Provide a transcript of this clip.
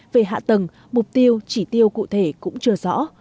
về hạ tầng mục tiêu chỉ tiêu cụ thể cũng chưa rõ